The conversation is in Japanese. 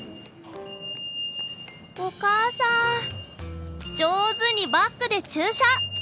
お母さん上手にバックで駐車！